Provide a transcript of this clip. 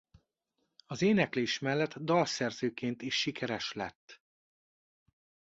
Az éneklés mellett dalszerzőként is sikeres lett.